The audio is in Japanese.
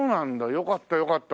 よかったよかった。